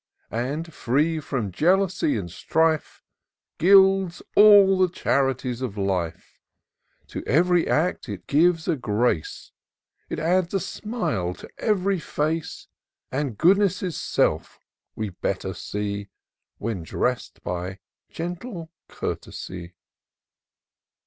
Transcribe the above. And, free from jealousy and strife, Gilds all the charities of life ! B B .186 TOUR OF DOCTOR SYNTAX To ev'ry act it gives a grace ; It adds a smile to ev'ry face ; And Goodness' self we better see When dress'd by gentle courtesy.